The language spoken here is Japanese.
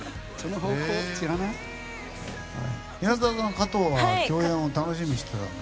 日向坂の加藤は共演を楽しみにしてたの？